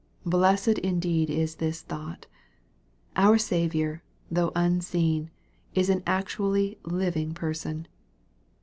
Blessed indeed is this thought ! Our Saviour, though unseen, is an actually living person.